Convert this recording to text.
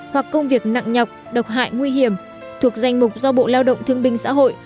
hoặc công việc nặng nhọc độc hại nguy hiểm thuộc danh mục do bộ lao động thương binh xã hội